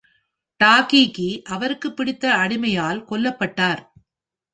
டாகிகி, அவருக்குப் பிடித்த அடிமையால் கொல்லப்பட்டார்.